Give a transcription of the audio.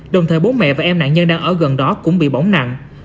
đồng thời bố mẹ và em nạn nhân đang ở gần đó cũng bị bỏng nặng